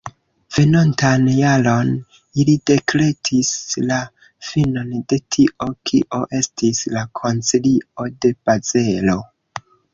Venontan jaron, ili dekretis la finon de tio kio estis la Koncilio de Bazelo.